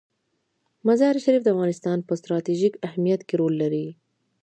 مزارشریف د افغانستان په ستراتیژیک اهمیت کې رول لري.